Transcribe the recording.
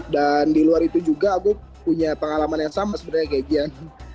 dan di luar itu juga aku punya pengalaman yang sama sebenernya kayak gian